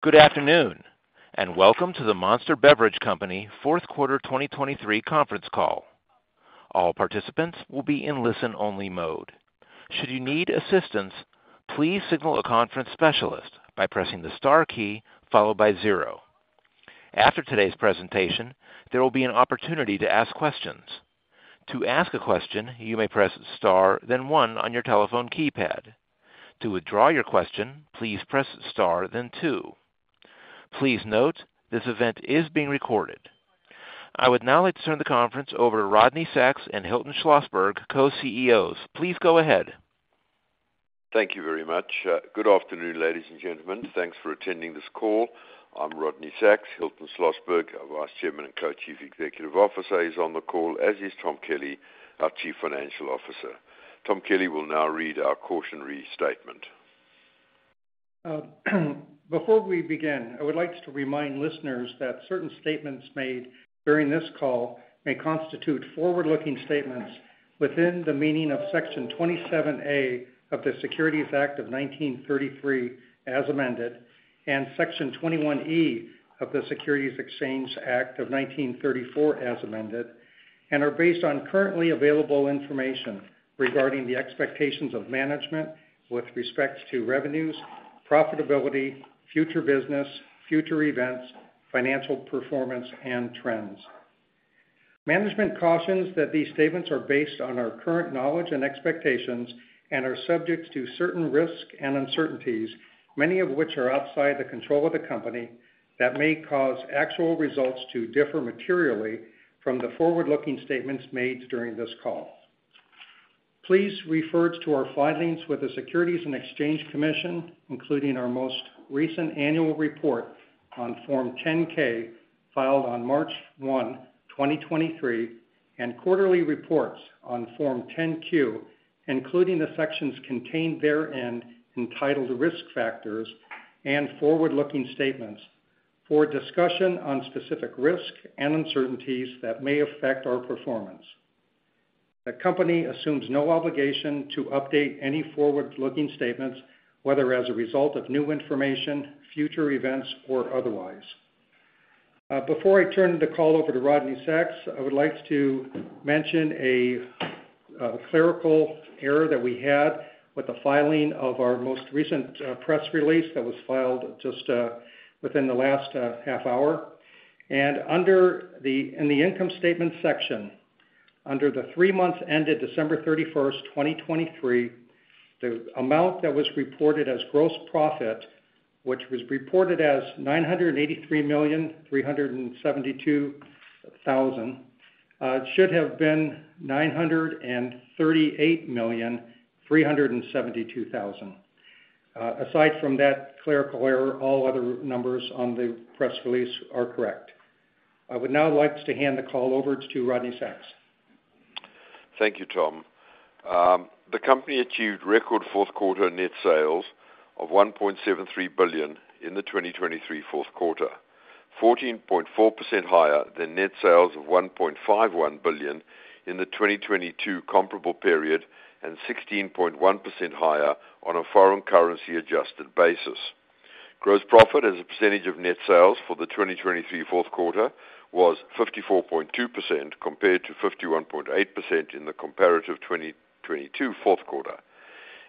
Good afternoon and welcome to the Monster Beverage Corporation fourth quarter 2023 conference call. All participants will be in listen-only mode. Should you need assistance, please signal a conference specialist by pressing the star key followed by zero. After today's presentation, there will be an opportunity to ask questions. To ask a question, you may press star then one on your telephone keypad. To withdraw your question, please press star then two. Please note, this event is being recorded. I would now like to turn the conference over to Rodney Sacks and Hilton Schlosberg, co-CEOs. Please go ahead. Thank you very much. Good afternoon, ladies and gentlemen. Thanks for attending this call. I'm Rodney Sacks, Hilton Schlosberg Vice Chairman and Co-Chief Executive Officer. He's on the call as is Tom Kelly, our Chief Financial Officer. Tom Kelly will now read our cautionary statement. Before we begin, I would like to remind listeners that certain statements made during this call may constitute forward-looking statements within the meaning of Section 27A of the Securities Act of 1933 as amended and Section 21E of the Securities Exchange Act of 1934 as amended, and are based on currently available information regarding the expectations of management with respect to revenues, profitability, future business, future events, financial performance, and trends. Management cautions that these statements are based on our current knowledge and expectations and are subject to certain risks and uncertainties, many of which are outside the control of the company, that may cause actual results to differ materially from the forward-looking statements made during this call. Please refer to our filings with the Securities and Exchange Commission, including our most recent annual report on Form 10-K filed on March 1, 2023, and quarterly reports on Form 10-Q, including the sections contained therein entitled risk factors and forward-looking statements, for discussion on specific risks and uncertainties that may affect our performance. The company assumes no obligation to update any forward-looking statements, whether as a result of new information, future events, or otherwise. Before I turn the call over to Rodney Sacks, I would like to mention a clerical error that we had with the filing of our most recent press release that was filed just within the last half hour. In the income statements section, under the three months ended December 31st, 2023, the amount that was reported as gross profit, which was reported as $983,372,000, should have been $938,372,000. Aside from that clerical error, all other numbers on the press release are correct. I would now like to hand the call over to Rodney Sacks. Thank you, Tom. The company achieved record fourth quarter net sales of $1.73 billion in the 2023 fourth quarter, 14.4% higher than net sales of $1.51 billion in the 2022 comparable period, and 16.1% higher on a foreign currency-adjusted basis. Gross profit, as a percentage of net sales for the 2023 fourth quarter, was 54.2% compared to 51.8% in the comparative 2022 fourth quarter.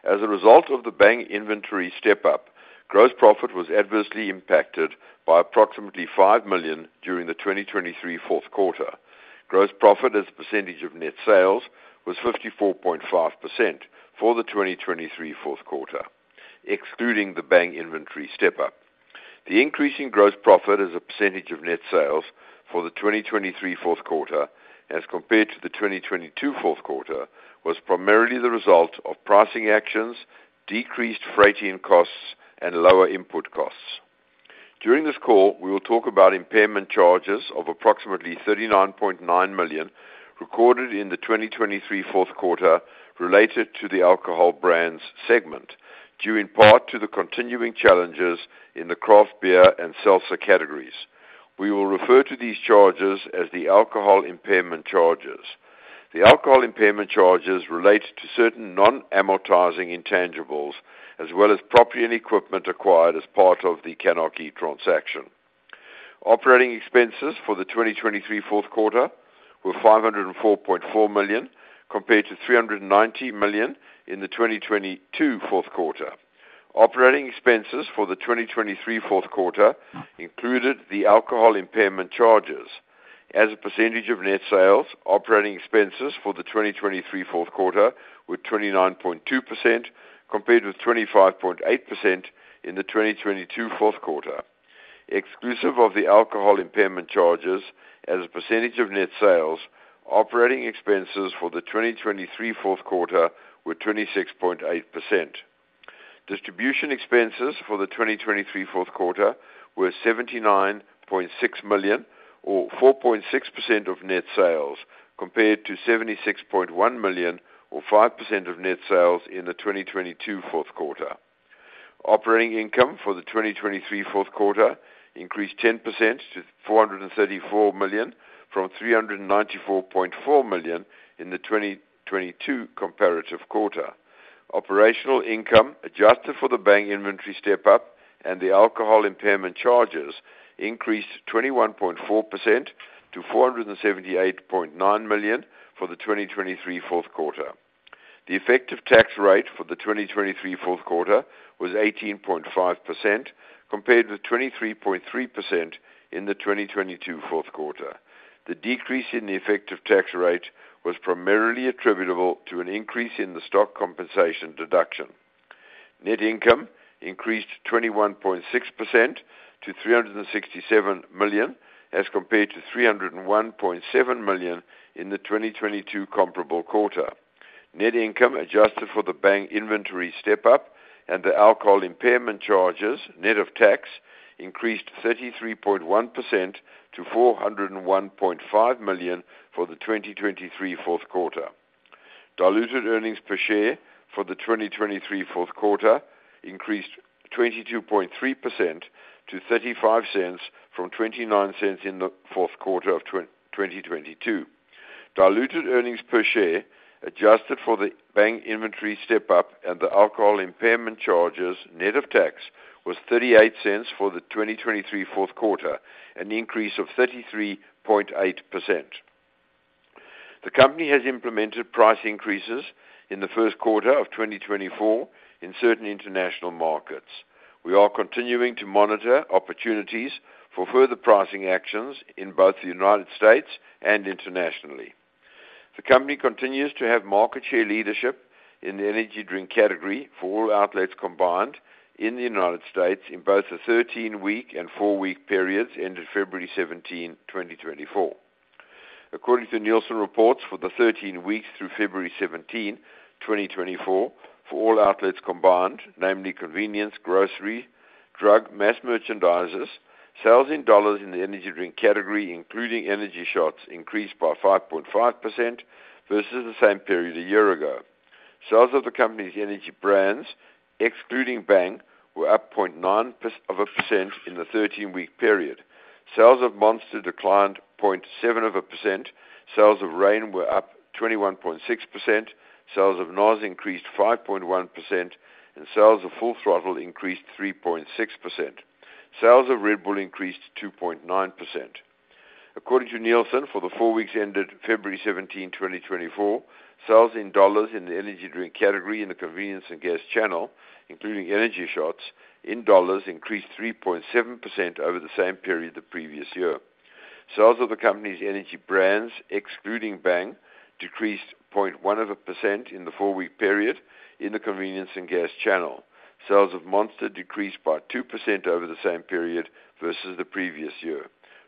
As a result of the Bang Inventory Step-Up, gross profit was adversely impacted by approximately $5 million during the 2023 fourth quarter. Gross profit, as a percentage of net sales, was 54.5% for the 2023 fourth quarter, excluding the Bang Inventory Step-Up. The increasing gross profit, as a percentage of net sales for the 2023 fourth quarter as compared to the 2022 fourth quarter, was primarily the result of pricing actions, decreased freight-in costs, and lower input costs. During this call, we will talk about impairment charges of approximately $39.9 million recorded in the 2023 fourth quarter related to the Alcohol Brands segment, due in part to the continuing challenges in the craft beer and seltzer categories. We will refer to these charges as the Alcohol Impairment Charges. The Alcohol Impairment Charges relate to certain non-amortizing intangibles as well as property and equipment acquired as part of the CANarchy transaction. Operating expenses for the 2023 fourth quarter were $504.4 million compared to $390 million in the 2022 fourth quarter. Operating expenses for the 2023 fourth quarter included the Alcohol Impairment Charges. As a percentage of net sales, operating expenses for the 2023 fourth quarter were 29.2% compared with 25.8% in the 2022 fourth quarter. Exclusive of the Alcohol Impairment Charges, as a percentage of net sales, operating expenses for the 2023 fourth quarter were 26.8%. Distribution expenses for the 2023 fourth quarter were $79.6 million or 4.6% of net sales compared to $76.1 million or 5% of net sales in the 2022 fourth quarter. Operating income for the 2023 fourth quarter increased 10% to $434 million from $394.4 million in the 2022 comparative quarter. Operating income adjusted for the Bang Inventory Step-Up and the Alcohol Impairment Charges increased 21.4% to $478.9 million for the 2023 fourth quarter. The effective tax rate for the 2023 fourth quarter was 18.5% compared with 23.3% in the 2022 fourth quarter. The decrease in the effective tax rate was primarily attributable to an increase in the stock compensation deduction. Net income increased 21.6% to $367 million as compared to $301.7 million in the 2022 comparable quarter. Net income adjusted for the Bang Inventory Step-Up and the Alcohol Impairment Charges, net of tax, increased 33.1% to $401.5 million for the 2023 fourth quarter. Diluted earnings per share for the 2023 fourth quarter increased 22.3% to $0.35 from $0.29 in the fourth quarter of 2022. Diluted earnings per share adjusted for the Bang Inventory Step-Up and the Alcohol Impairment Charges, net of tax, was $0.38 for the 2023 fourth quarter, an increase of 33.8%. The company has implemented price increases in the first quarter of 2024 in certain international markets. We are continuing to monitor opportunities for further pricing actions in both the United States and internationally. The company continues to have market share leadership in the energy drink category for all outlets combined in the United States in both the 13-week and four-week periods ended February 17, 2024. According to Nielsen reports for the 13 weeks through February 17, 2024, for all outlets combined, namely convenience, grocery, drug, mass merchandisers, sales in dollars in the energy drink category, including energy shots, increased by 5.5% versus the same period a year ago. Sales of the company's energy brands, excluding Bang, were up 0.9% in the 13-week period. Sales of Monster declined 0.7%. Sales of Reign were up 21.6%. Sales of NOS increased 5.1%, and sales of Full Throttle increased 3.6%. Sales of Red Bull increased 2.9%. According to Nielsen, for the four weeks ended February 17, 2024, sales in dollars in the energy drink category in the convenience and gas channel, including energy shots, in dollars increased 3.7% over the same period the previous year. Sales of the company's energy brands, excluding Bang, decreased 0.1% in the four-week period in the convenience and gas channel. Sales of Monster decreased by 2% over the same period versus the previous year.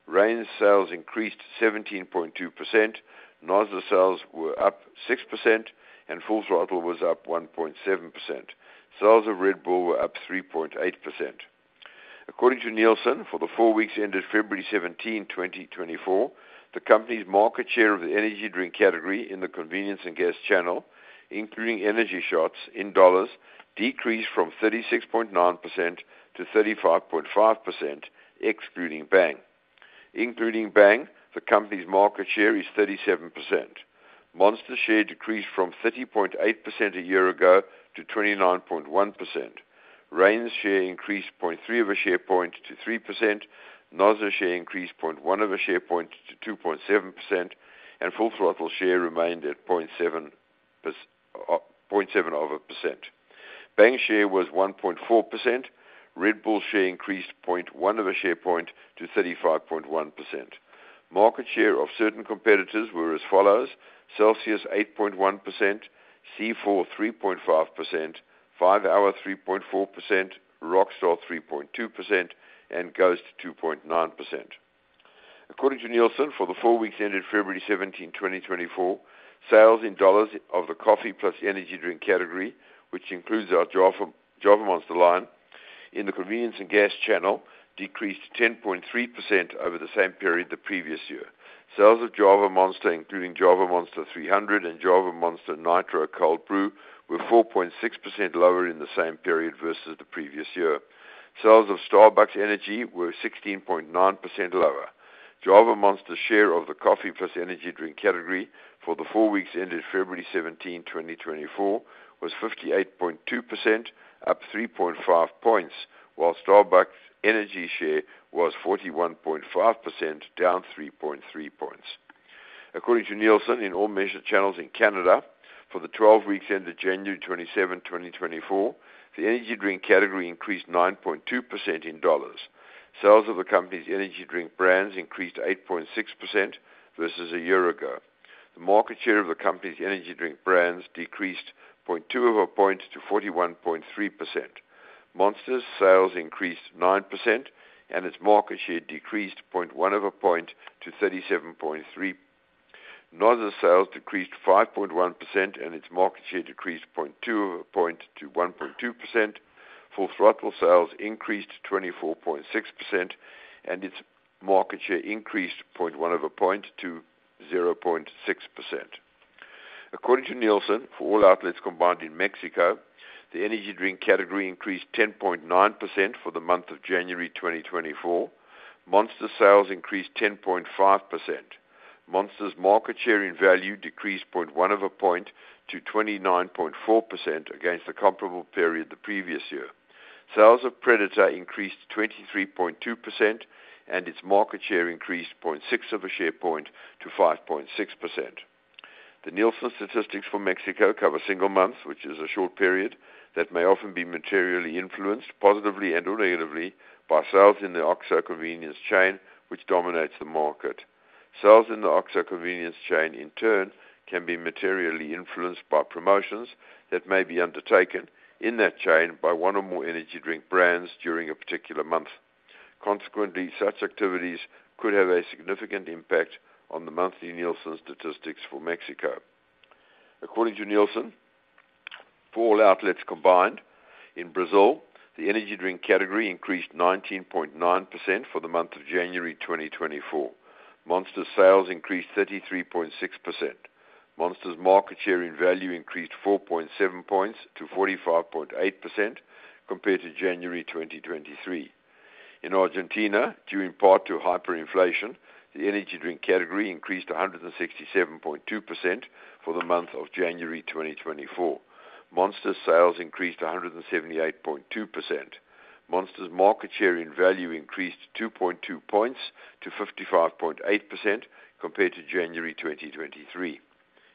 Reign's sales increased 17.2%. NOS sales were up 6%, and Full Throttle was up 1.7%. Sales of Red Bull were up 3.8%. According to Nielsen, for the four weeks ended February 17, 2024, the company's market share of the energy drink category in the convenience and gas channel, including energy shots, in dollars decreased from 36.9%-35.5%, excluding Bang. Including Bang, the company's market share is 37%. Monster's share decreased from 30.8% a year ago to 29.1%. Reign's share increased 0.3% to 3%. NOS share increased 0.1% to 2.7%, and Full Throttle share remained at 0.7%. Bang's share was 1.4%. Red Bull's share increased 0.1% to 35.1%. Market share of certain competitors were as follows: Celsius 8.1%, C4 3.5%, 5-Hour Energy 3.4%, Rockstar 3.2%, and Ghost 2.9%. According to Nielsen, for the four weeks ended February 17, 2024, sales in dollars of the coffee plus energy drink category, which includes our Java Monster line, in the convenience and gas channel decreased 10.3% over the same period the previous year. Sales of Java Monster, including Java Monster 300 and Java Monster Nitro Cold Brew, were 4.6% lower in the same period versus the previous year. Sales of Starbucks Energy were 16.9% lower. Java Monster's share of the coffee plus energy drink category for the four weeks ended February 17, 2024, was 58.2%, up 3.5 points, while Starbucks Energy's share was 41.5%, down 3.3 points. According to Nielsen, in all measured channels in Canada, for the 12 weeks ended January 27, 2024, the energy drink category increased 9.2% in dollars. Sales of the company's energy drink brands increased 8.6% versus a year ago. The market share of the company's energy drink brands decreased 0.2% to 41.3%. Monster's sales increased 9%, and its market share decreased 0.1% to 37.3%. NOS sales decreased 5.1%, and its market share decreased 0.2% to 1.2%. Full Throttle sales increased 24.6%, and its market share increased 0.1% to 0.6%. According to Nielsen, for all outlets combined in Mexico, the energy drink category increased 10.9% for the month of January 2024. Monster's sales increased 10.5%. Monster's market share in value decreased 0.1% to 29.4% against the comparable period the previous year. Sales of Predator increased 23.2%, and its market share increased 0.6% to 5.6%. The Nielsen statistics for Mexico cover a single month, which is a short period, that may often be materially influenced, positively and/or negatively, by sales in the OXXO convenience chain, which dominates the market. Sales in the OXXO convenience chain, in turn, can be materially influenced by promotions that may be undertaken in that chain by one or more energy drink brands during a particular month. Consequently, such activities could have a significant impact on the monthly Nielsen statistics for Mexico. According to Nielsen, for all outlets combined, in Brazil, the energy drink category increased 19.9% for the month of January 2024. Monster's sales increased 33.6%. Monster's market share in value increased 4.7 points to 45.8% compared to January 2023. In Argentina, due in part to hyperinflation, the energy drink category increased 167.2% for the month of January 2024. Monster's sales increased 178.2%. Monster's market share in value increased 2.2 points to 55.8% compared to January 2023.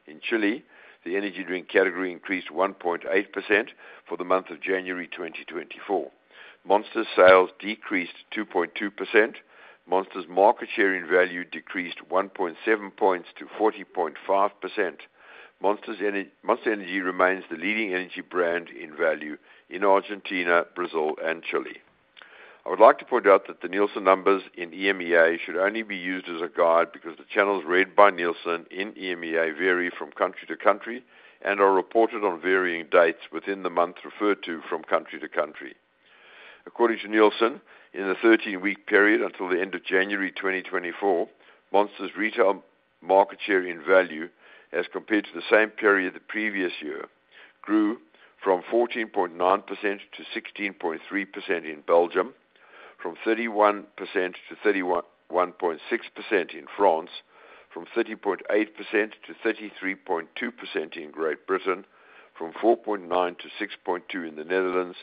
In Chile, the energy drink category increased 1.8% for the month of January 2024. Monster's sales decreased 2.2%. Monster's market share in value decreased 1.7 points to 40.5%. Monster Energy remains the leading energy brand in value in Argentina, Brazil, and Chile. I would like to point out that the Nielsen numbers in EMEA should only be used as a guide because the channels read by Nielsen in EMEA vary from country to country and are reported on varying dates within the month referred to from country to country. According to Nielsen, in the 13-week period until the end of January 2024, Monster's retail market share in value as compared to the same period the previous year grew from 14.9%-16.3% in Belgium, from 31%-31.6% in France, from 30.8%-33.2% in Great Britain, from 4.9%-6.2% in the Netherlands,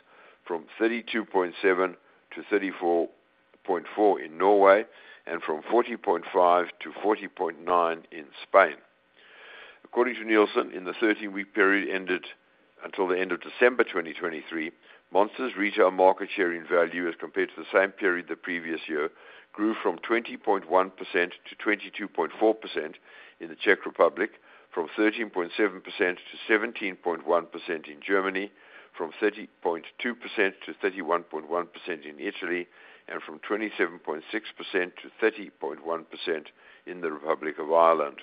from 32.7%-34.4% in Norway, and from 40.5%-40.9% in Spain. According to Nielsen, in the 13-week period ended until the end of December 2023, Monster's retail market share in value as compared to the same period the previous year grew from 20.1%-22.4% in the Czech Republic, from 13.7%-17.1% in Germany, from 30.2%-31.1% in Italy, and from 27.6%-30.1% in the Republic of Ireland.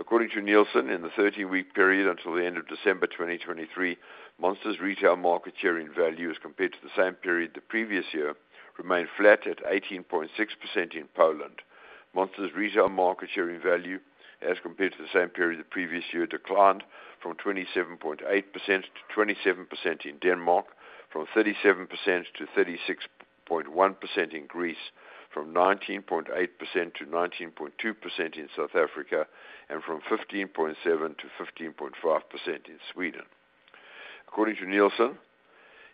According to Nielsen, in the 13-week period until the end of December 2023, Monster's retail market share in value as compared to the same period the previous year remained flat at 18.6% in Poland. Monster's retail market share in value as compared to the same period the previous year declined from 27.8%-27% in Denmark, from 37%-36.1% in Greece, from 19.8%-19.2% in South Africa, and from 15.7%-15.5% in Sweden. According to Nielsen,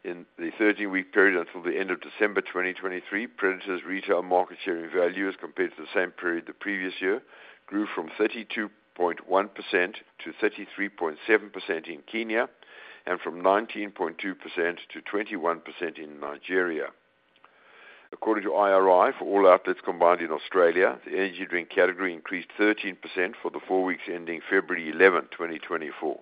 in the 13-week period until the end of December 2023, Predator's retail market share in value as compared to the same period the previous year grew from 32.1%-33.7% in Kenya and from 19.2%-21% in Nigeria. According to IRI, for all outlets combined in Australia, the energy drink category increased 13% for the four weeks ending February 11, 2024.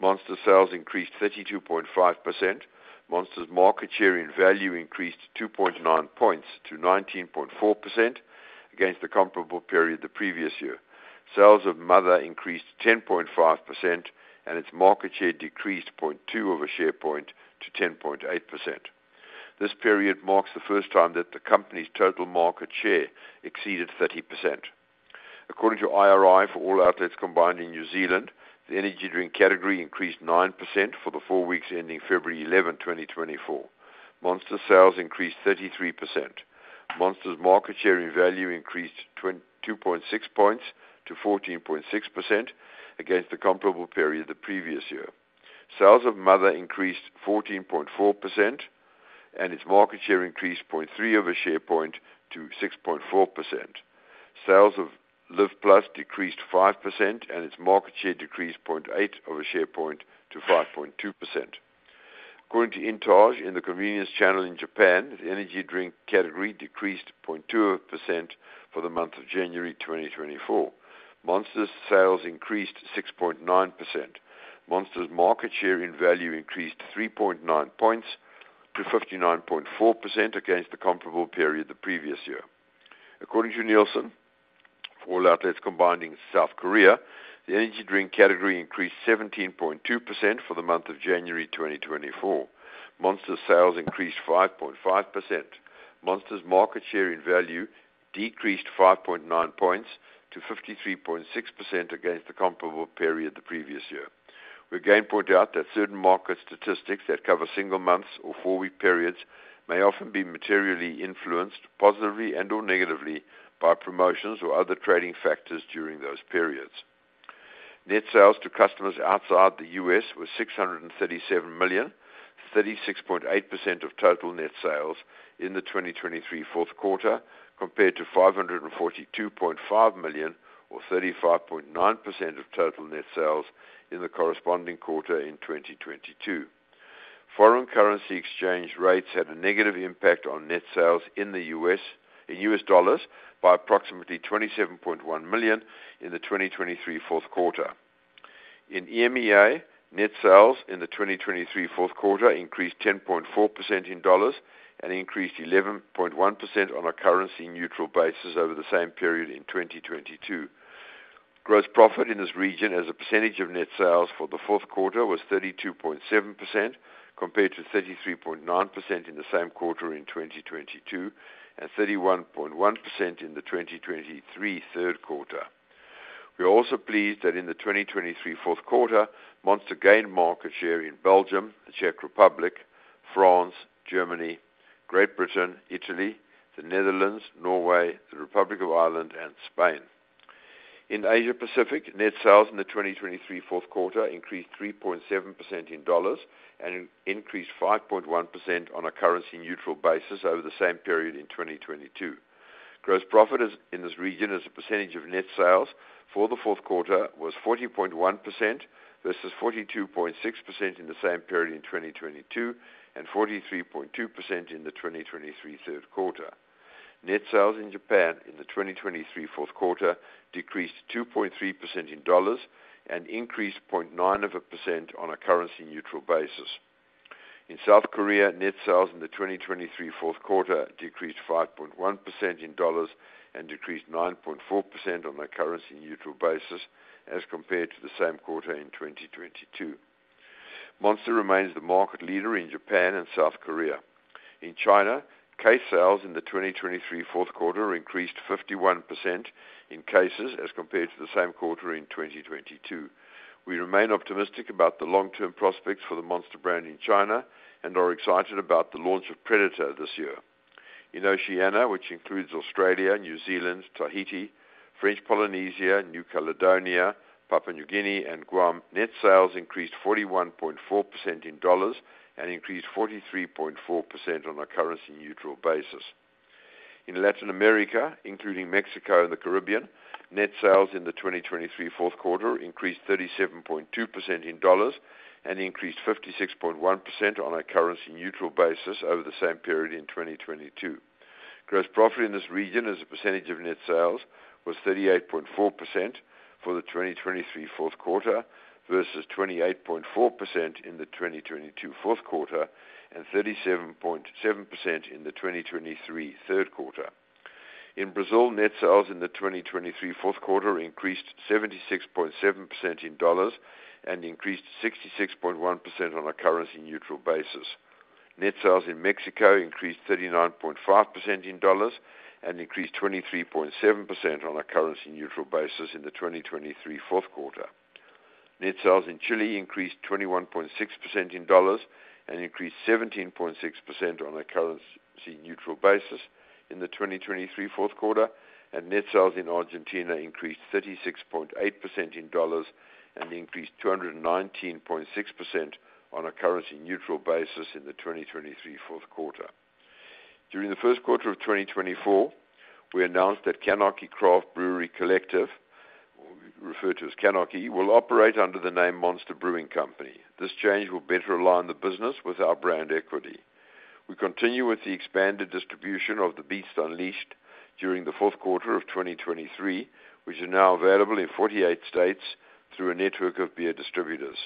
Monster's sales increased 32.5%. Monster's market share in value increased 2.9 points to 19.4% against the comparable period the previous year. Sales of Mother increased 10.5%, and its market share decreased 0.2% to 10.8%. This period marks the first time that the company's total market share exceeded 30%. According to IRI, for all outlets combined in New Zealand, the energy drink category increased 9% for the four weeks ending February 11, 2024. Monster's sales increased 33%. Monster's market share in value increased 2.6 points to 14.6% against the comparable period the previous year. Sales of Mother increased 14.4%, and its market share increased 0.3 share point to 6.4%. Sales of Live+ decreased 5%, and its market share decreased 0.8 share point to 5.2%. According to Intage, in the convenience channel in Japan, the energy drink category decreased 0.2% for the month of January 2024. Monster's sales increased 6.9%. Monster's market share in value increased 3.9 points to 59.4% against the comparable period the previous year. According to Nielsen, for all outlets combined in South Korea, the energy drink category increased 17.2% for the month of January 2024. Monster's sales increased 5.5%. Monster's market share in value decreased 5.9 points to 53.6% against the comparable period the previous year. We again point out that certain market statistics that cover single months or four-week periods may often be materially influenced, positively and/or negatively, by promotions or other trading factors during those periods. Net sales to customers outside the U.S. were $637 million, 36.8% of total net sales in the 2023 fourth quarter compared to $542.5 million or 35.9% of total net sales in the corresponding quarter in 2022. Foreign currency exchange rates had a negative impact on net sales in the U.S. in U.S. dollars by approximately $27.1 million in the 2023 fourth quarter. In EMEA, net sales in the 2023 fourth quarter increased 10.4% in dollars and increased 11.1% on a currency-neutral basis over the same period in 2022. Gross profit in this region as a percentage of net sales for the fourth quarter was 32.7% compared to 33.9% in the same quarter in 2022 and 31.1% in the 2023 third quarter. We are also pleased that in the 2023 fourth quarter, Monster gained market share in Belgium, the Czech Republic, France, Germany, Great Britain, Italy, the Netherlands, Norway, the Republic of Ireland, and Spain. In Asia Pacific, net sales in the 2023 fourth quarter increased 3.7% in dollars and increased 5.1% on a currency-neutral basis over the same period in 2022. Gross profit in this region as a percentage of net sales for the fourth quarter was 40.1% versus 42.6% in the same period in 2022 and 43.2% in the 2023 third quarter. Net sales in Japan in the 2023 fourth quarter decreased 2.3% in dollars and increased 0.9% on a currency-neutral basis. In South Korea, net sales in the 2023 fourth quarter decreased 5.1% in dollars and decreased 9.4% on a currency-neutral basis as compared to the same quarter in 2022. Monster remains the market leader in Japan and South Korea. In China, case sales in the 2023 fourth quarter increased 51% in cases as compared to the same quarter in 2022. We remain optimistic about the long-term prospects for the Monster brand in China and are excited about the launch of Predator this year. In Oceania, which includes Australia, New Zealand, Tahiti, French Polynesia, New Caledonia, Papua New Guinea, and Guam, net sales increased 41.4% in dollars and increased 43.4% on a currency-neutral basis. In Latin America, including Mexico and the Caribbean, net sales in the 2023 fourth quarter increased 37.2% in dollars and increased 56.1% on a currency-neutral basis over the same period in 2022. Gross profit in this region as a percentage of net sales was 38.4% for the 2023 fourth quarter versus 28.4% in the 2022 fourth quarter and 37.7% in the 2023 third quarter. In Brazil, net sales in the 2023 fourth quarter increased 76.7% in dollars and increased 66.1% on a currency-neutral basis. Net sales in Mexico increased 39.5% in dollars and increased 23.7% on a currency-neutral basis in the 2023 fourth quarter. Net sales in Chile increased 21.6% in dollars and increased 17.6% on a currency-neutral basis in the 2023 fourth quarter, and net sales in Argentina increased 36.8% in dollars and increased 219.6% on a currency-neutral basis in the 2023 fourth quarter. During the first quarter of 2024, we announced that CANarchy Craft Brewery Collective, referred to as CANarchy, will operate under the name Monster Brewing Company. This change will better align the business with our brand equity. We continue with the expanded distribution of The Beast Unleashed during the fourth quarter of 2023, which is now available in 48 states through a network of beer distributors.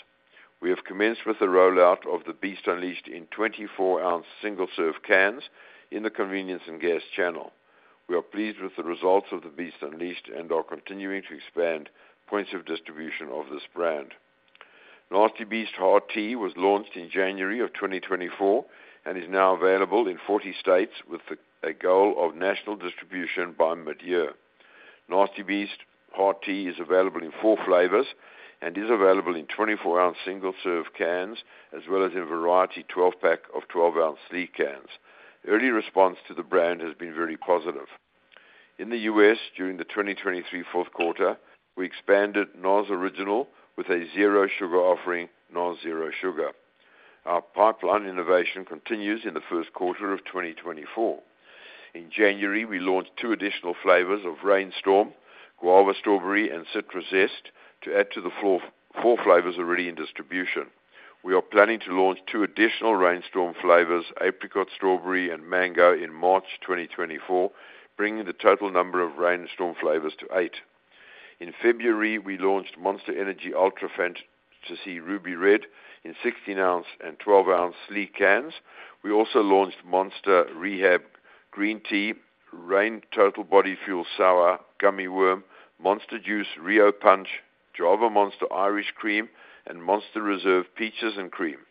We have commenced with the rollout of The Beast Unleashed in 24-ounce single-serve cans in the convenience and gas channel. We are pleased with the results of The Beast Unleashed and are continuing to expand points of distribution of this brand. Nasty Beast Hard Tea was launched in January of 2024 and is now available in 40 states with a goal of national distribution by mid-year. Nasty Beast Hard Tea is available in four flavors and is available in 24-ounce single-serve cans as well as in variety 12-pack of 12-ounce sleeve cans. Early response to the brand has been very positive. In the U.S., during the 2023 fourth quarter, we expanded NOS Original with a zero-sugar offering NOS Zero Sugar. Our pipeline innovation continues in the first quarter of 2024. In January, we launched 2 additional flavors of Reign Storm, Guava Strawberry, and Citrus Zest to add to the four flavors already in distribution. We are planning to launch two additional Reign Storm flavors, Apricot Strawberry and Mango, in March 2024, bringing the total number of Reign Storm flavors to eight. In February, we launched Monster Energy Ultra Fantasy Ruby Red in 16-ounce and 12-ounce sleeve cans. We also launched Monster Rehab Green Tea, Reign Total Body Fuel Sour Gummy Worm, Monster Juice Rio Punch, Java Monster Irish Crème, and Monster Reserve Peaches n’ Crème.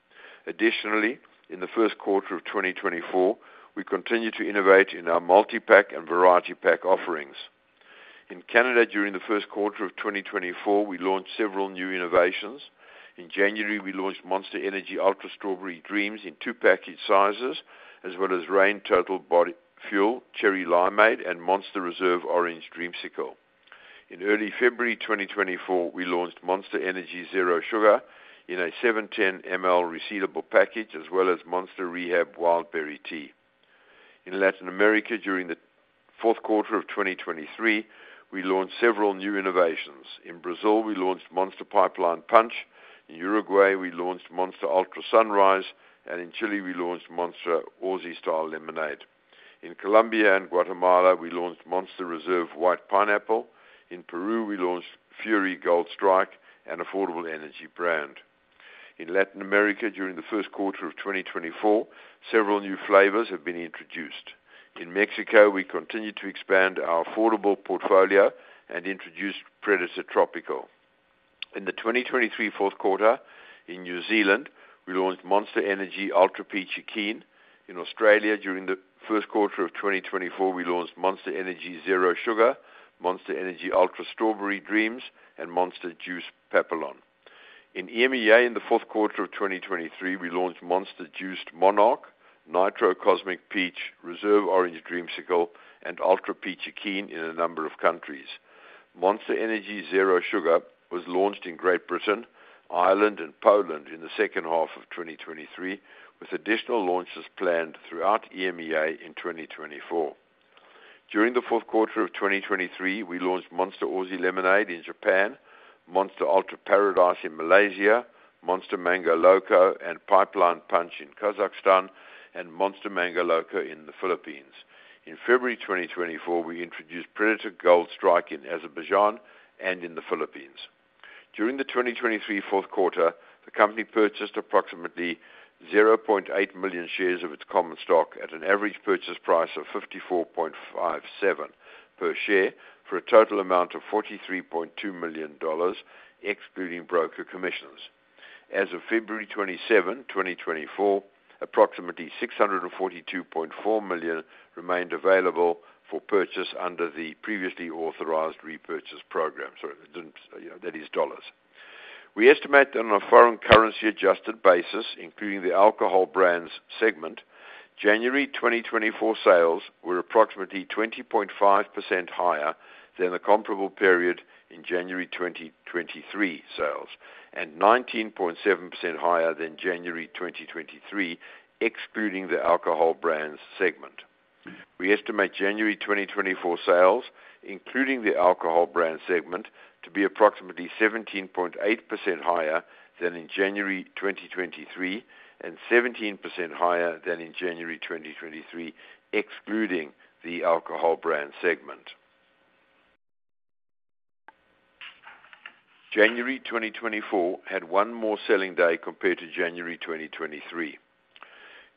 Additionally, in the first quarter of 2024, we continue to innovate in our multi-pack and variety pack offerings. In Canada, during the first quarter of 2024, we launched several new innovations. In January, we launched Monster Energy Ultra Strawberry Dreams in two package sizes as well as Reign Total Body Fuel Cherry Limeade and Monster Reserve Orange Dreamsicle. In early February 2024, we launched Monster Energy Zero Sugar in a 710 mL resealable package as well as Monster Rehab Wildberry Tea. In Latin America, during the fourth quarter of 2023, we launched several new innovations. In Brazil, we launched Monster Pipeline Punch. In Uruguay, we launched Monster Ultra Sunrise, and in Chile, we launched Monster Aussie Style Lemonade. In Colombia and Guatemala, we launched Monster Reserve White Pineapple. In Peru, we launched Fury Gold Strike and affordable energy brand. In Latin America, during the first quarter of 2024, several new flavors have been introduced. In Mexico, we continue to expand our affordable portfolio and introduced Predator Tropical. In the 2023 fourth quarter, in New Zealand, we launched Monster Energy Ultra Peachy Keen. In Australia, during the first quarter of 2024, we launched Monster Energy Zero Sugar, Monster Energy Ultra Strawberry Dreams, and Monster Juice Papillon. In EMEA, in the fourth quarter of 2023, we launched Monster Juiced Monarch, Nitro Cosmic Peach, Reserve Orange Dreamsicle, and Ultra Peachy Keen in a number of countries. Monster Energy Zero Sugar was launched in Great Britain, Ireland, and Poland in the second half of 2023 with additional launches planned throughout EMEA in 2024. During the fourth quarter of 2023, we launched Monster Aussie Lemonade in Japan, Monster Ultra Paradise in Malaysia, Monster Mango Loco and Pipeline Punch in Kazakhstan, and Monster Mango Loco in the Philippines. In February 2024, we introduced Predator Gold Strike in Azerbaijan and in the Philippines. During the 2023 fourth quarter, the company purchased approximately 0.8 million shares of its common stock at an average purchase price of $54.57 per share for a total amount of $43.2 million excluding broker commissions. As of February 27, 2024, approximately $642.4 million remained available for purchase under the previously authorized repurchase program. Sorry, that is dollars. We estimate that on a foreign currency-adjusted basis, including the Alcohol Brands segment, January 2024 sales were approximately 20.5% higher than the comparable period in January 2023 sales and 19.7% higher than January 2023 excluding the Alcohol Brands segment. We estimate January 2024 sales, including the Alcohol Brand segment, to be approximately 17.8% higher than in January 2023 and 17% higher than in January 2023 excluding the alcohol brand segment. January 2024 had one more selling day compared to January 2023.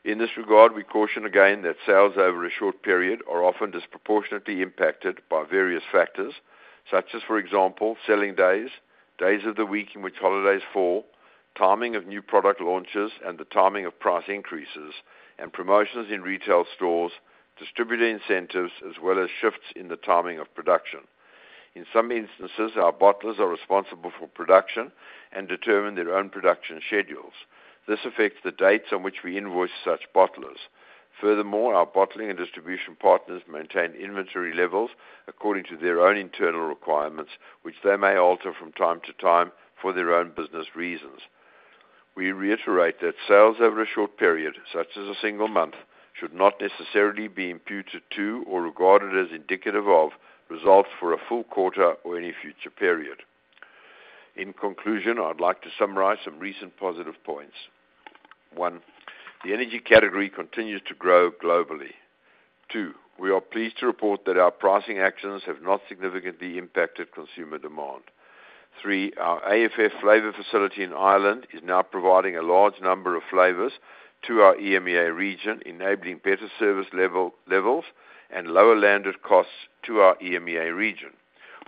In this regard, we caution again that sales over a short period are often disproportionately impacted by various factors such as, for example, selling days, days of the week in which holidays fall, timing of new product launches and the timing of price increases, and promotions in retail stores, distributor incentives, as well as shifts in the timing of production. In some instances, our bottlers are responsible for production and determine their own production schedules. This affects the dates on which we invoice such bottlers. Furthermore, our bottling and distribution partners maintain inventory levels according to their own internal requirements, which they may alter from time to time for their own business reasons. We reiterate that sales over a short period, such as a single month, should not necessarily be imputed to or regarded as indicative of results for a full quarter or any future period. In conclusion, I'd like to summarize some recent positive points. One, the energy category continues to grow globally. Two, we are pleased to report that our pricing actions have not significantly impacted consumer demand. Three, our AFF flavor facility in Ireland is now providing a large number of flavors to our EMEA region, enabling better service levels and lower landed costs to our EMEA region.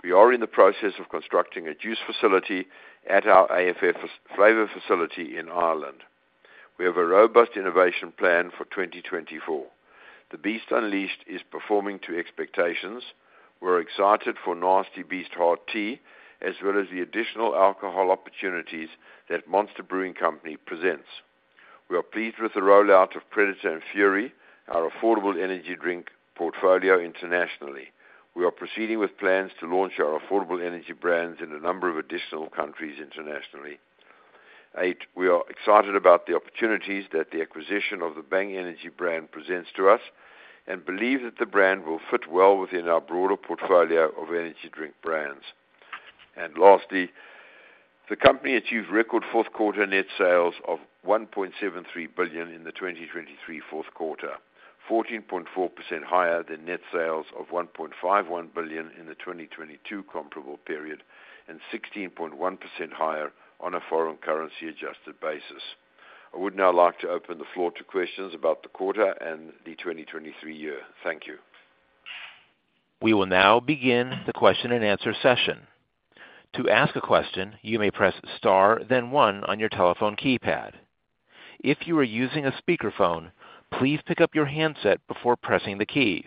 We are in the process of constructing a juice facility at our AFF flavor facility in Ireland. We have a robust innovation plan for 2024. The Beast Unleashed is performing to expectations. We're excited for Nasty Beast Hard Tea as well as the additional alcohol opportunities that Monster Brewing Company presents. We are pleased with the rollout of Predator and Fury, our affordable energy drink portfolio internationally. We are proceeding with plans to launch our affordable energy brands in a number of additional countries internationally. Eight, we are excited about the opportunities that the acquisition of the Bang Energy brand presents to us and believe that the brand will fit well within our broader portfolio of energy drink brands. Lastly, the company achieved record fourth quarter net sales of $1.73 billion in the 2023 fourth quarter, 14.4% higher than net sales of $1.51 billion in the 2022 comparable period, and 16.1% higher on a foreign currency-adjusted basis. I would now like to open the floor to questions about the quarter and the 2023 year. Thank you. We will now begin the question-and-answer session. To ask a question, you may press star, then one on your telephone keypad. If you are using a speakerphone, please pick up your handset before pressing the keys.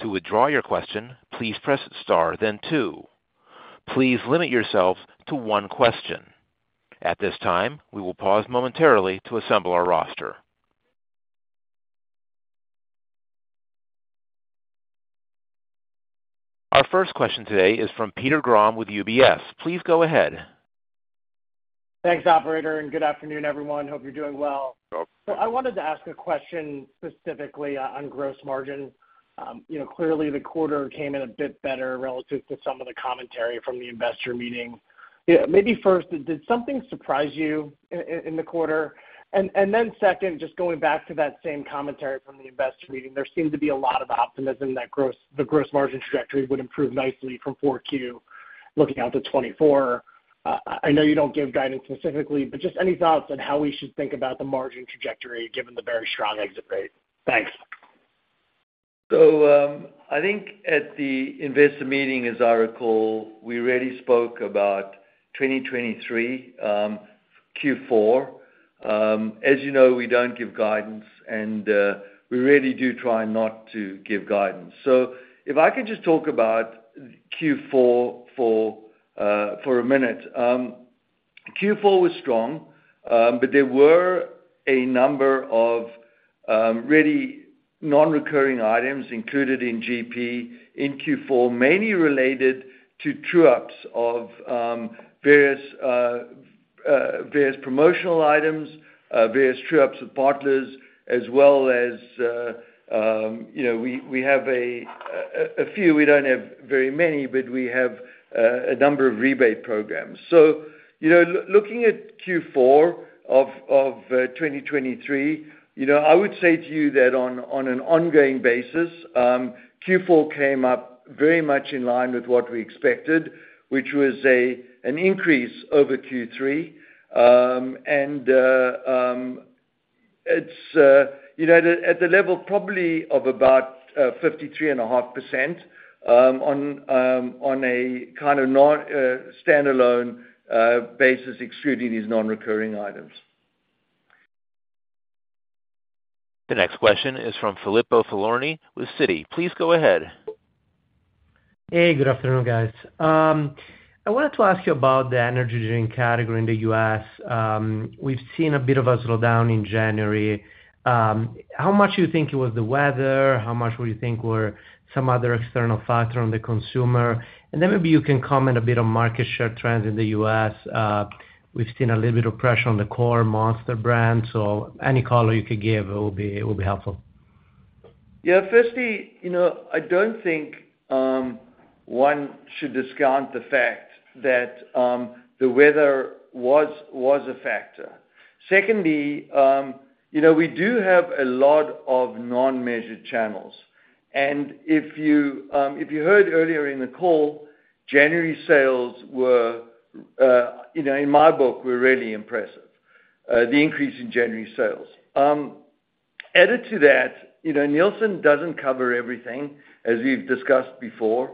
To withdraw your question, please press star, then two. Please limit yourself to one question. At this time, we will pause momentarily to assemble our roster. Our first question today is from Peter Grom with UBS. Please go ahead. Thanks, operator, and good afternoon, everyone. Hope you're doing well. So I wanted to ask a question specifically on gross margin. Clearly, the quarter came in a bit better relative to some of the commentary from the investor meeting. Maybe first, did something surprise you in the quarter? And then second, just going back to that same commentary from the investor meeting, there seemed to be a lot of optimism that the gross margin trajectory would improve nicely from 4Q looking out to 2024. I know you don't give guidance specifically, but just any thoughts on how we should think about the margin trajectory given the very strong exit rate? Thanks. So I think at the investor meeting, as I recall, we already spoke about 2023 Q4. As you know, we don't give guidance, and we really do try not to give guidance. So if I could just talk about Q4 for a minute. Q4 was strong, but there were a number of really non-recurring items included in GP in Q4, mainly related to true-ups of various promotional items, various true-ups with bottlers, as well as we have a few. We don't have very many, but we have a number of rebate programs. So looking at Q4 of 2023, I would say to you that on an ongoing basis, Q4 came up very much in line with what we expected, which was an increase over Q3. And it's at the level probably of about 53.5% on a kind of standalone basis excluding these non-recurring items. The next question is from Filippo Falorni with Citi. Please go ahead. Hey, good afternoon, guys. I wanted to ask you about the energy drink category in the U.S. We've seen a bit of a slowdown in January. How much do you think it was the weather? How much would you think were some other external factor on the consumer? And then maybe you can comment a bit on market share trends in the U.S. We've seen a little bit of pressure on the core Monster brand. So any color you could give will be helpful. Yeah, firstly, I don't think one should discount the fact that the weather was a factor. Secondly, we do have a lot of non-measured channels. And if you heard earlier in the call, January sales were in my book, were really impressive, the increase in January sales. Added to that, Nielsen doesn't cover everything, as we've discussed before.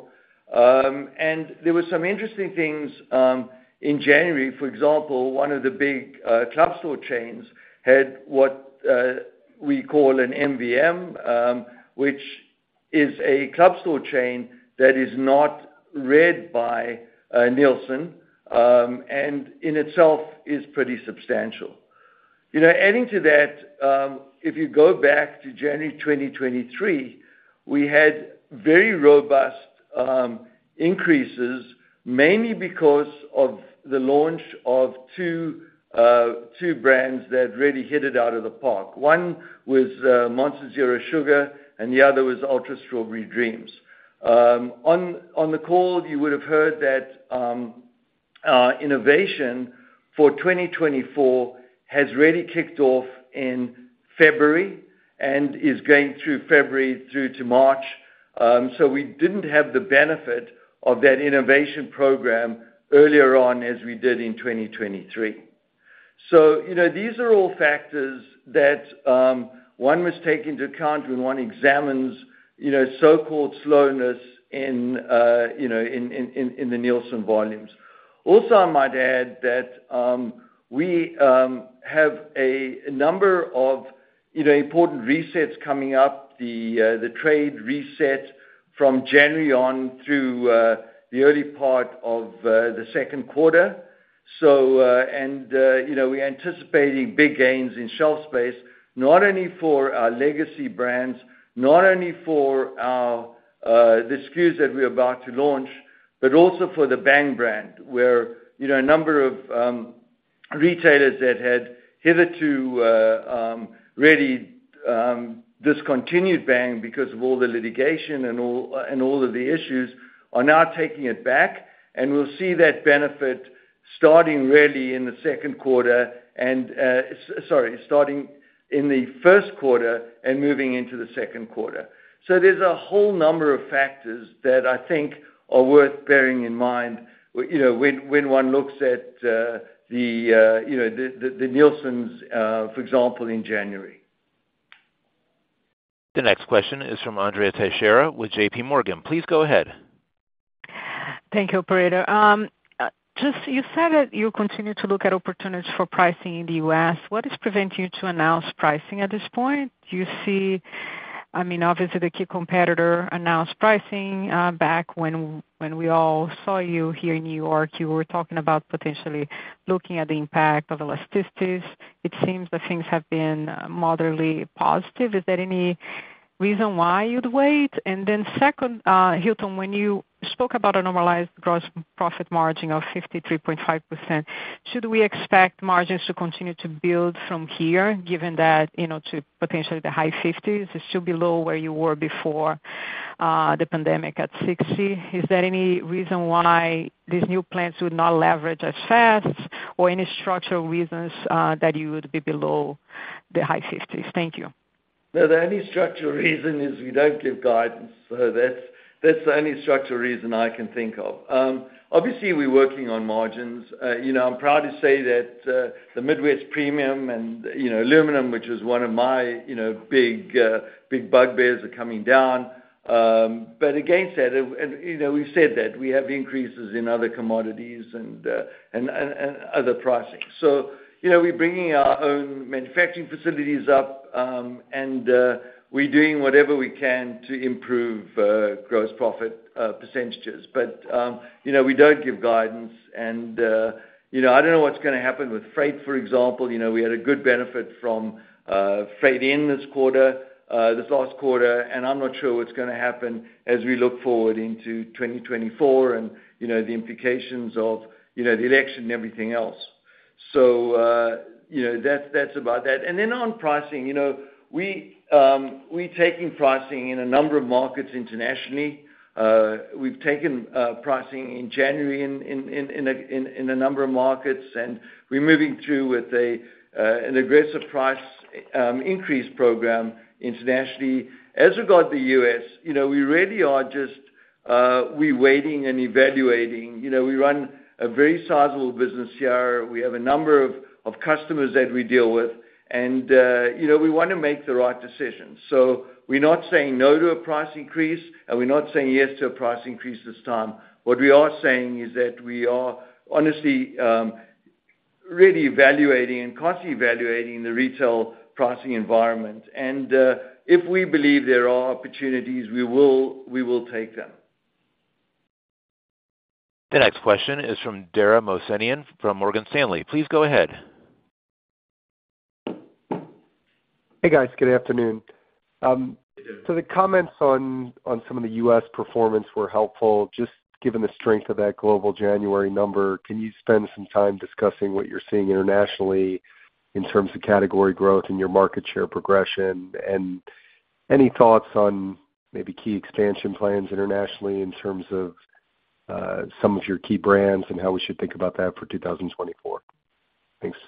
There were some interesting things in January. For example, one of the big club store chains had what we call an MVM, which is a club store chain that is not read by Nielsen and in itself is pretty substantial. Adding to that, if you go back to January 2023, we had very robust increases mainly because of the launch of two brands that really hit it out of the park. One was Monster Zero Sugar, and the other was Ultra Strawberry Dreams. On the call, you would have heard that innovation for 2024 has really kicked off in February and is going through February through to March. We didn't have the benefit of that innovation program earlier on as we did in 2023. So these are all factors that one must take into account when one examines so-called slowness in the Nielsen volumes. Also, I might add that we have a number of important resets coming up, the trade reset from January on through the early part of the second quarter. And we're anticipating big gains in shelf space, not only for our legacy brands, not only for the SKUs that we're about to launch, but also for the Bang brand, where a number of retailers that had hitherto really discontinued Bang because of all the litigation and all of the issues are now taking it back. And we'll see that benefit starting really in the second quarter and sorry, starting in the first quarter and moving into the second quarter. So there's a whole number of factors that I think are worth bearing in mind when one looks at the Nielsen's, for example, in January. The next question is from Andrea Teixeira with JPMorgan. Please go ahead. Thank you, operator. You said that you continue to look at opportunities for pricing in the U.S. What is preventing you to announce pricing at this point? Do you see? I mean, obviously, the key competitor announced pricing back when we all saw you here in New York. You were talking about potentially looking at the impact of elasticities. It seems that things have been moderately positive. Is there any reason why you'd wait? And then second, Hilton, when you spoke about a normalized gross profit margin of 53.5%, should we expect margins to continue to build from here given that to potentially the high 50s? It's still below where you were before the pandemic at 60. Is there any reason why these new plants would not leverage as fast or any structural reasons that you would be below the high 50s? Thank you. The only structural reason is we don't give guidance. So that's the only structural reason I can think of. Obviously, we're working on margins. I'm proud to say that the Midwest Premium and aluminum, which was one of my big bugbears, are coming down. But against that, and we've said that, we have increases in other commodities and other pricing. So we're bringing our own manufacturing facilities up, and we're doing whatever we can to improve gross profit percentages. But we don't give guidance. And I don't know what's going to happen with freight, for example. We had a good benefit from freight in this quarter, this last quarter. I'm not sure what's going to happen as we look forward into 2024 and the implications of the election and everything else. That's about that. Then on pricing, we're taking pricing in a number of markets internationally. We've taken pricing in January in a number of markets, and we're moving through with an aggressive price increase program internationally. As regards to the U.S., we really are just waiting and evaluating. We run a very sizable business here. We have a number of customers that we deal with, and we want to make the right decisions. We're not saying no to a price increase, and we're not saying yes to a price increase this time. What we are saying is that we are honestly really evaluating and constantly evaluating the retail pricing environment. If we believe there are opportunities, we will take them. The next question is from Dara Mohsenian from Morgan Stanley. Please go ahead. Hey, guys. Good afternoon. So the comments on some of the U.S. performance were helpful. Just given the strength of that global January number, can you spend some time discussing what you're seeing internationally in terms of category growth and your market share progression? And any thoughts on maybe key expansion plans internationally in terms of some of your key brands and how we should think about that for 2024? Thanks.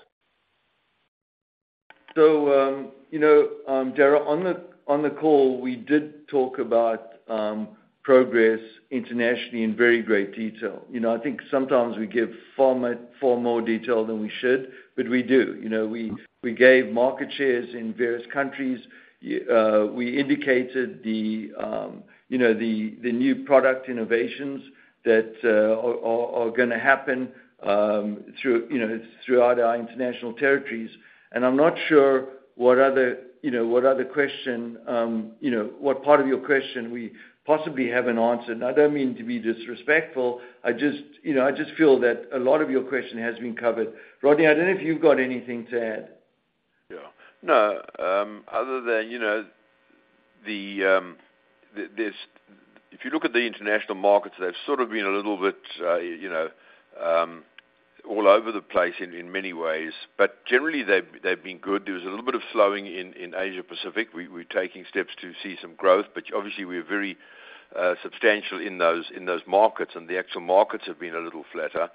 So Dara, on the call, we did talk about progress internationally in very great detail. I think sometimes we give far more detail than we should, but we do. We gave market shares in various countries. We indicated the new product innovations that are going to happen throughout our international territories. And I'm not sure what other question what part of your question we possibly haven't answered. And I don't mean to be disrespectful. I just feel that a lot of your question has been covered. Rodney, I don't know if you've got anything to add. Yeah. No, other than if you look at the international markets, they've sort of been a little bit all over the place in many ways. But generally, they've been good. There was a little bit of slowing in Asia-Pacific. We're taking steps to see some growth. But obviously, we're very substantial in those markets, and the actual markets have been a little flatter.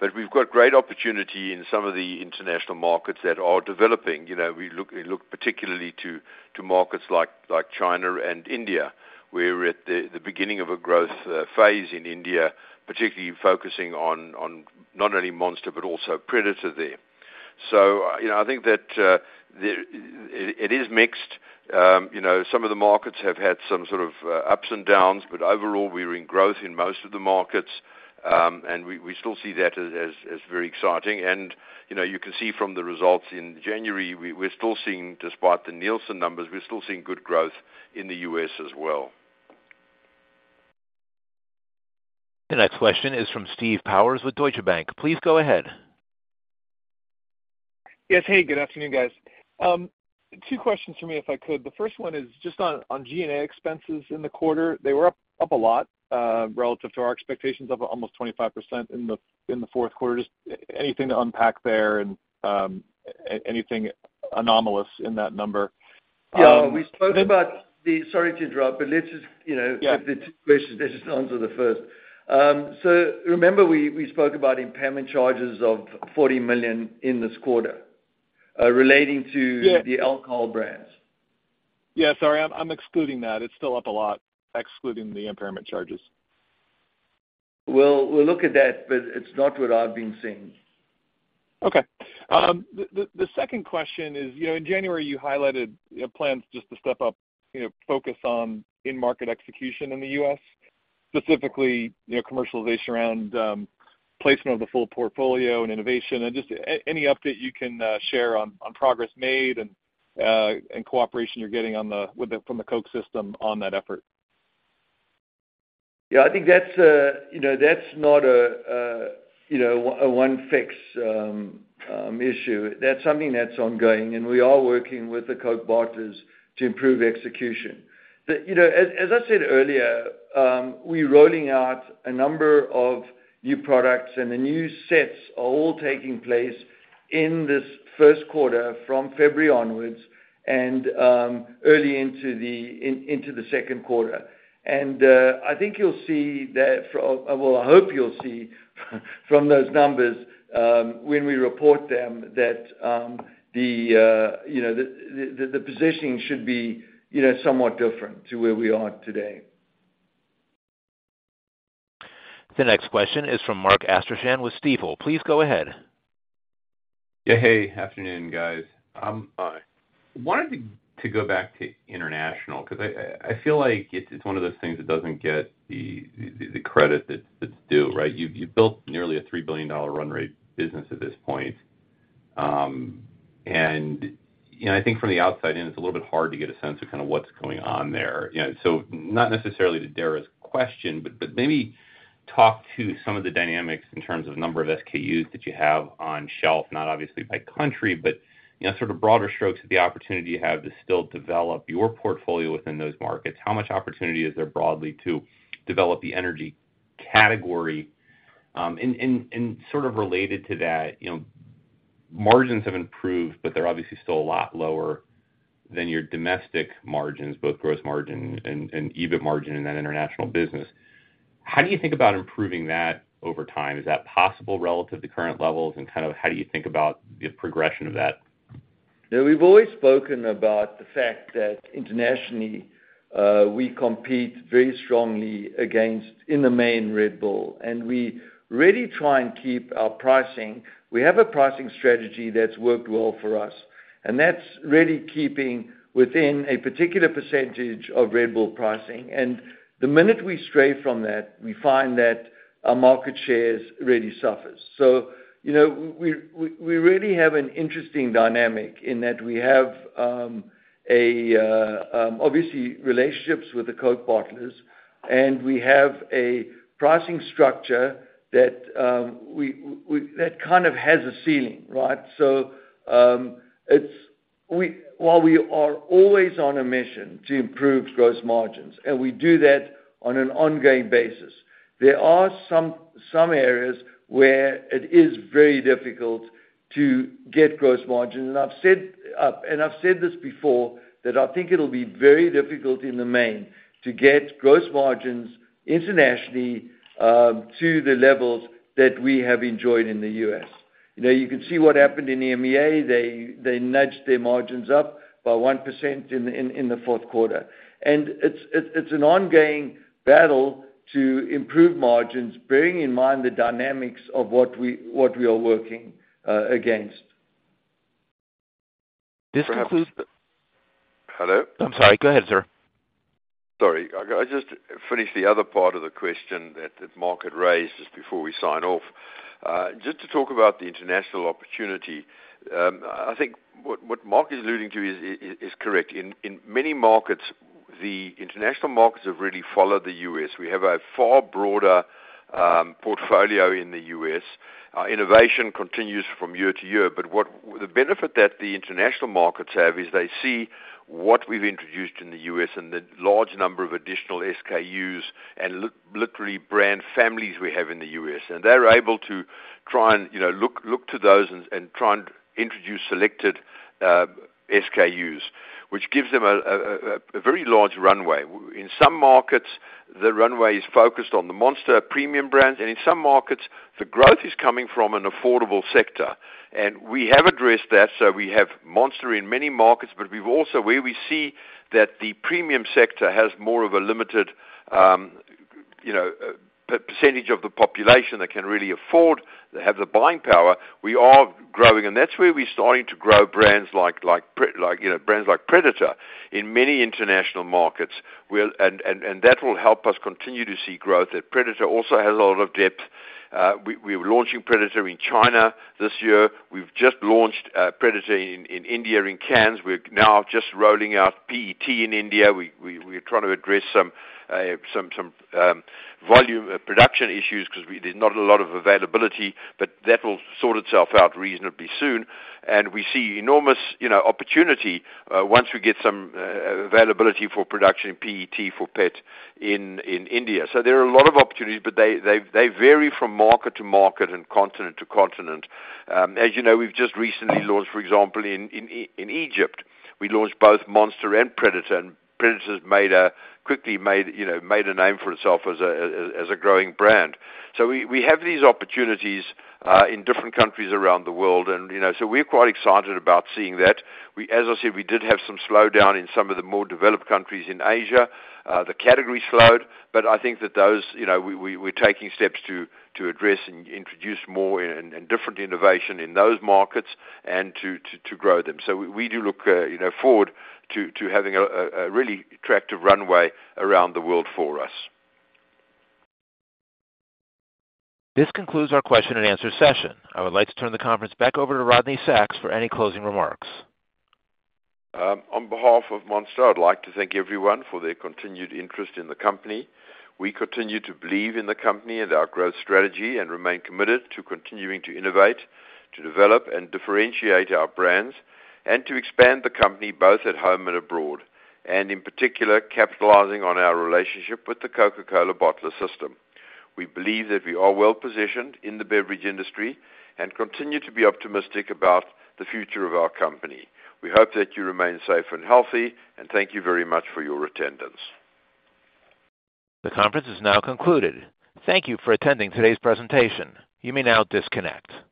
But we've got great opportunity in some of the international markets that are developing. We look particularly to markets like China and India. We're at the beginning of a growth phase in India, particularly focusing on not only Monster but also Predator there. So I think that it is mixed. Some of the markets have had some sort of ups and downs, but overall, we're in growth in most of the markets. And we still see that as very exciting. And you can see from the results in January, despite the Nielsen numbers, we're still seeing good growth in the U.S. as well. The next question is from Steve Powers with Deutsche Bank. Please go ahead. Yes. Hey, good afternoon, guys. Two questions for me, if I could. The first one is just on G&A expenses in the quarter. They were up a lot relative to our expectations of almost 25% in the fourth quarter. Just anything to unpack there and anything anomalous in that number? Yeah. We spoke about the. Sorry to interrupt, but let's just have the two questions. Let's just answer the first. So remember, we spoke about impairment charges of $40 million in this quarter relating to the Alcohol Brands? Yeah. Sorry. I'm excluding that. It's still up a lot, excluding the impairment charges. We'll look at that, but it's not what I've been seeing. Okay. The second question is in January, you highlighted plans just to step up focus on in-market execution in the U.S., specifically commercialization around placement of the full portfolio and innovation. And just any update you can share on progress made and cooperation you're getting from the Coke system on that effort. Yeah. I think that's not a one-fix issue. That's something that's ongoing. And we are working with the Coke bottlers to improve execution. But as I said earlier, we're rolling out a number of new products, and the new sets are all taking place in this first quarter from February onwards and early into the second quarter. And I think you'll see that well, I hope you'll see from those numbers when we report them that the positioning should be somewhat different to where we are today. The next question is from Mark Astrachan with Stifel. Please go ahead. Yeah. Hey. Afternoon, guys. Hi. I wanted to go back to international because I feel like it's one of those things that doesn't get the credit that's due, right? You've built nearly a $3 billion run-rate business at this point. And I think from the outside in, it's a little bit hard to get a sense of kind of what's going on there. So not necessarily to Dara's question, but maybe talk to some of the dynamics in terms of number of SKUs that you have on shelf, not obviously by country, but sort of broader strokes of the opportunity you have to still develop your portfolio within those markets. How much opportunity is there broadly to develop the energy category? And sort of related to that, margins have improved, but they're obviously still a lot lower than your domestic margins, both gross margin and EBIT margin in that international business. How do you think about improving that over time? Is that possible relative to current levels? And kind of how do you think about the progression of that? Yeah. We've always spoken about the fact that internationally, we compete very strongly against, in the main, Red Bull. We really try and keep our pricing. We have a pricing strategy that's worked well for us. That's really keeping within a particular percentage of Red Bull pricing. The minute we stray from that, we find that our market shares really suffer. So we really have an interesting dynamic in that we have obviously relationships with the Coke bottlers, and we have a pricing structure that kind of has a ceiling, right? While we are always on a mission to improve gross margins, and we do that on an ongoing basis, there are some areas where it is very difficult to get gross margins. I've said this before, that I think it'll be very difficult in the main to get gross margins internationally to the levels that we have enjoyed in the U.S. You can see what happened in EMEA. They nudged their margins up by 1% in the fourth quarter. And it's an ongoing battle to improve margins, bearing in mind the dynamics of what we are working against. This concludes. Hello? I'm sorry. Go ahead, sir. Sorry. I just finished the other part of the question that Mark had raised just before we sign off. Just to talk about the international opportunity, I think what Mark is alluding to is correct. In many markets, the international markets have really followed the U.S. We have a far broader portfolio in the U.S. Our innovation continues from year to year. But the benefit that the international markets have is they see what we've introduced in the U.S. and the large number of additional SKUs and literally brand families we have in the U.S. They're able to try and look to those and try and introduce selected SKUs, which gives them a very large runway. In some markets, the runway is focused on the Monster premium brands. In some markets, the growth is coming from an affordable sector. We have addressed that. We have Monster in many markets. But where we see that the premium sector has more of a limited percentage of the population that can really afford, that have the buying power, we are growing. That's where we're starting to grow brands like Predator in many international markets. That will help us continue to see growth. That Predator also has a lot of depth. We're launching Predator in China this year. We've just launched Predator in India in cans. We're now just rolling out PET in India. We're trying to address some volume production issues because there's not a lot of availability. But that will sort itself out reasonably soon. And we see enormous opportunity once we get some availability for production in PET for PET in India. So there are a lot of opportunities, but they vary from market to market and continent to continent. As you know, we've just recently launched, for example, in Egypt. We launched both Monster and Predator. And Predator has quickly made a name for itself as a growing brand. So we have these opportunities in different countries around the world. And so we're quite excited about seeing that. As I said, we did have some slowdown in some of the more developed countries in Asia, the category slowed. But I think that those, we're taking steps to address and introduce more and different innovation in those markets and to grow them. So we do look forward to having a really attractive runway around the world for us. This concludes our question and answer session. I would like to turn the conference back over to Rodney Sacks for any closing remarks. On behalf of Monster, I'd like to thank everyone for their continued interest in the company. We continue to believe in the company and our growth strategy and remain committed to continuing to innovate, to develop, and differentiate our brands, and to expand the company both at home and abroad, and in particular, capitalizing on our relationship with the Coca-Cola bottler system. We believe that we are well-positioned in the beverage industry and continue to be optimistic about the future of our company. We hope that you remain safe and healthy. Thank you very much for your attendance. The conference is now concluded. Thank you for attending today's presentation. You may now disconnect.